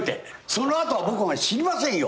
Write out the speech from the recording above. その後は僕も知りませんよ。